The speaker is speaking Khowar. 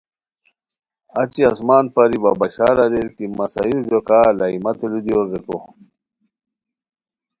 اچی آسمان پری وا بشار اریر کی مہ سایورجو کا الائے متے لو دیور ریکو